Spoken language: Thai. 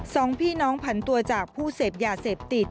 สองพี่น้องผันตัวจากผู้เสพยาเสพติด